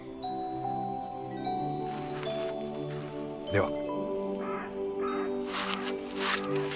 では。